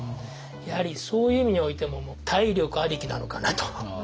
やはりそういう意味においても体力ありきなのかなと。